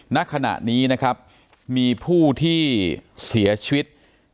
ณขณะนี้นะครับมีผู้ที่เสียชีวิต